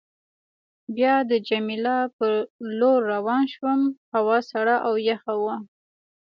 بیا د جميله په لور روان شوم، هوا سړه او یخه وه.